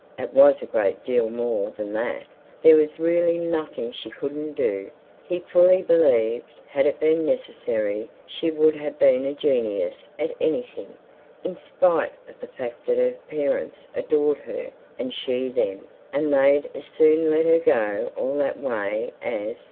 —it was a great deal more than that, there was really nothing she couldn't do; he fully believed, had it been necessary, she would have been a genius at anything—in spite of the fact that her parents adored her, and she them, and they'd as soon let her go all that way as....